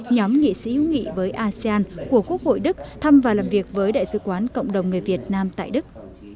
nhóm nghị sĩ ưu nghị với asean của quốc hội đức thăm và làm việc với đại sứ quán cộng đồng người việt nam tại đức